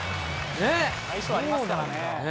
相性ありますからね。